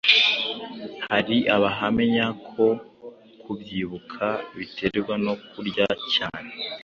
Hari abahamya ko kubyibuha biterwa no kurya cyane